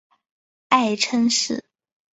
爱称是。